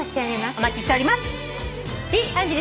お待ちしております。